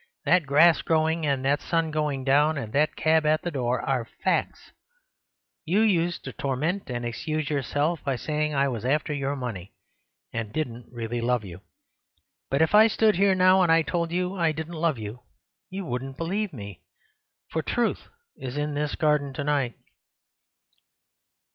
That grass growing, and that sun going down, and that cab at the door, are facts. You used to torment and excuse yourself by saying I was after your money, and didn't really love you. But if I stood here now and told you I didn't love you—you wouldn't believe me: for truth is in this garden to night."